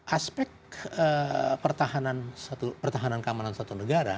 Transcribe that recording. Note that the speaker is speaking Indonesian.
aspek pertahanan keamanan satu negara